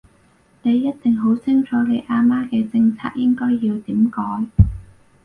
你一定好清楚你阿媽嘅政策應該要點改